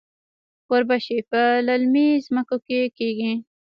وربشې په للمي ځمکو کې کیږي.